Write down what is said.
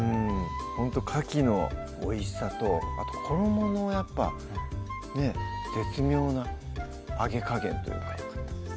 ほんとかきのおいしさとあと衣のやっぱね絶妙な揚げ加減というかよかったです